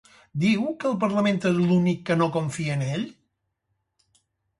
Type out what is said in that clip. Diu que el Parlament és l'únic que no confia en ell?